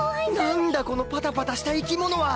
なんだこのパタパタした生き物は！